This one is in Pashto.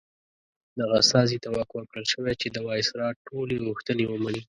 دغه استازي ته واک ورکړل شوی چې د وایسرا ټولې غوښتنې ومني.